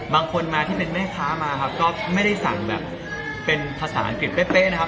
บางคนมาที่เป็นแม่ค้ามาครับก็ไม่ได้สั่งแบบเป็นภาษาอังกฤษเป๊ะนะครับ